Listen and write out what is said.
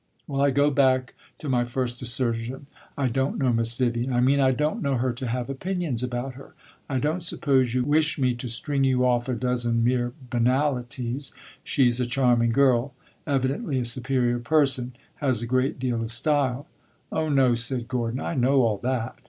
"Well, I go back to my first assertion. I don't know Miss Vivian I mean I don't know her to have opinions about her. I don't suppose you wish me to string you off a dozen mere banalites 'She 's a charming girl evidently a superior person has a great deal of style.'" "Oh no," said Gordon; "I know all that.